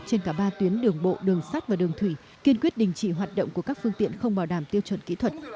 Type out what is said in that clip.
trên cả ba tuyến đường bộ đường sát và đường thủy kiên quyết đình chỉ hoạt động của các phương tiện không bảo đảm tiêu chuẩn kỹ thuật